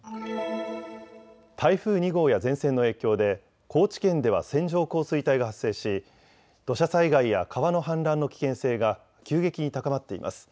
台風２号や前線の影響で高知県では線状降水帯が発生し土砂災害や川の氾濫の危険性が急激に高まっています。